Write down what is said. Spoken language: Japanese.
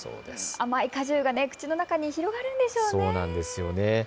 甘い果汁が口の中に広がるんでしょうね。